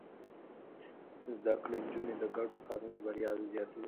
زده کړې نجونې د ګډو کارونو بريا زياتوي.